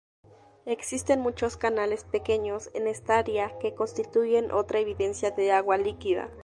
Existen muchos canales pequeños en esta área, que constituyen otra evidencia de agua líquida.